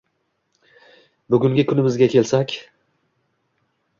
Bugungi kunimizga kelsak...